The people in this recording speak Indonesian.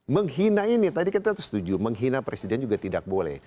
menghina ini tadi kita setuju menghina presiden juga tidak boleh